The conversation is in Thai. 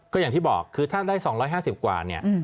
ก็อย่างที่บอกคือถ้าได้๒๕๐กว่าเนี่ย